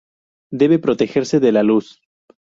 Debe protegerse de la luz.